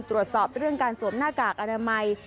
ตรวจสอบเรื่องการสวมหน้ากากอนามัย